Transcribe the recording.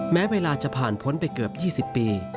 แม้เวลาจะผ่านพ้นไปเกือบ๒๐ปี